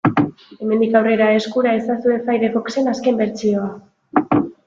Hemendik aurrera eskura ezazue Firefoxen azken bertsioa.